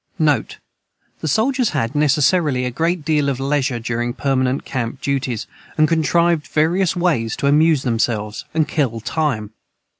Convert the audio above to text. NOTE. The soldiers had, necessarily, a great deal of leisure during permanent camp duties, and contrived various ways to amuse themselves, and "kill time."